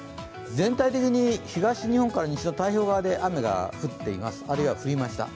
全体的に東日本から西の太平洋側で雨が降っています、あるいは降りました。